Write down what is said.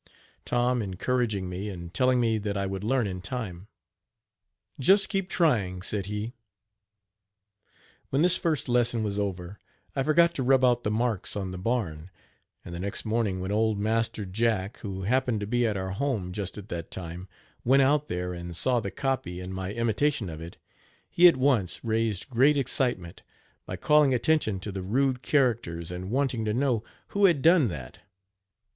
Tom encouraging me and telling me that I would learn in time. "Just keep trying," said he. When this first lesson was over, I forgot to rub out the marks on the barn, and the next morning when Old Master Jack, who happened to be at our home just at that time, went out there and saw the copy and my imitation of it, he at once raised great excitement by calling attention to the rude characters and wanting to know who had done that.